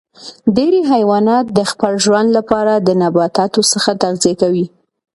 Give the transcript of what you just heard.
ډیری حیوانات د خپل ژوند لپاره د نباتاتو څخه تغذیه کوي